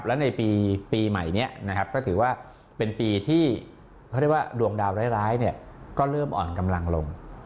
และในปีใหม่นี้ก็ถือว่าเป็นปีที่ดวงดาวร้ายก็เริ่มอ่อนกำลังลง